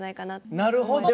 なるほど。